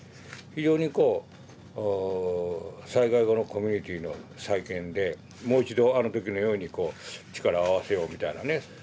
非常にこう災害後のコミュニティーの再建でもう一度あの時のようにこう力を合わせようみたいなね。